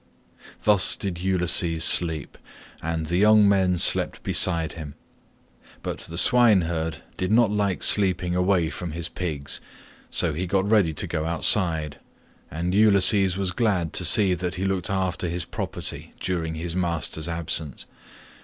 Thus did Ulysses sleep, and the young men slept beside him. But the swineherd did not like sleeping away from his pigs, so he got ready to go outside, and Ulysses was glad to see that he looked after his property during his master's absence.